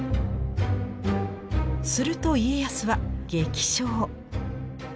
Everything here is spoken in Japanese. すると家康は激賞。